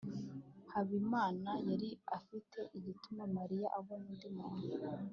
habimana yari afite igituba mariya abona undi muntu